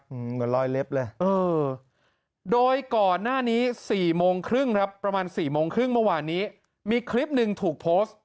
เหมือนรอยเล็บเลยเออโดยก่อนหน้านี้สี่โมงครึ่งครับประมาณสี่โมงครึ่งเมื่อวานนี้มีคลิปหนึ่งถูกโพสต์